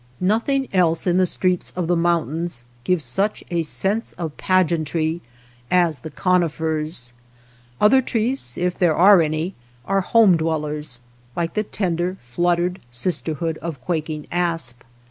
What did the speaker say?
Nothing else in the streets of the moun tains gives such a sense of pageantry as the conifers ; other trees, if there are any, are home dwellers, like the tender fluttered, sisterhood of quaking asp.